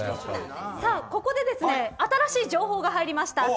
ここで新しい情報が入りました。